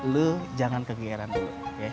lo jangan kegiatan dulu